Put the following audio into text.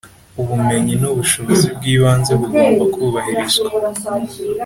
ubumenyi n ubushobozi bw ibanze bugomba kubahirizwa.